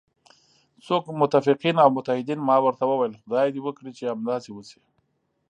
څوک؟ متفقین او متحدین، ما ورته وویل: خدای دې وکړي چې همداسې وشي.